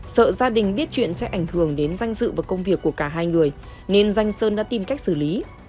sợ gia đình biết chuyện sẽ ảnh hưởng đến danh dự và công việc của cả hai người nên danh sơn đã tìm cách xử lý